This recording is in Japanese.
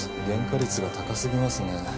原価率が高すぎますね。